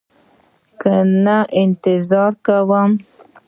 که نه انتظار کوو.